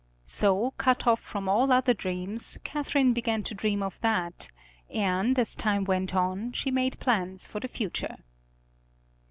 So, cut off from all other dreams, Catherine began to dream of that, and, as time went on, she made plans for the future.